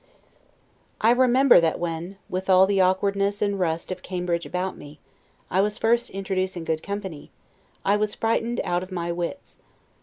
I remember that when, with all the awkwardness and rust of Cambridge about me, I was first introduced into good company, I was frightened out of my wits.